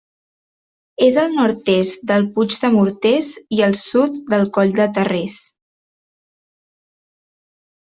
És al nord-est del Puig de Morters, i al sud del Coll de Terrers.